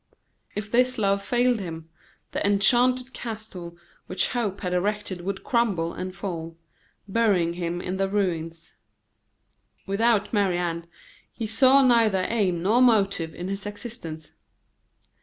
If this love failed him, the enchanted castle which hope had erected would crumble and fall, burying him in the ruins. Without Marie Anne he saw neither aim nor motive in his existence.